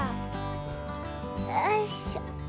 よいしょ。